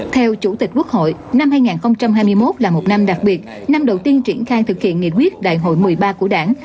theo chủ tịch quốc hội năm hai nghìn hai mươi một là một năm đặc biệt năm đầu tiên triển khai thực hiện nghị quyết đại hội một mươi ba của đảng